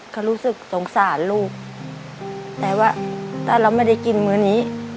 เขารู้สึกสงสารลูกแต่ว่าถ้าเราไม่ได้กินมื้อนี้